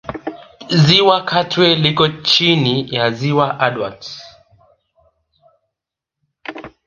Ziwa Katwe liko chini ya Ziwa Edward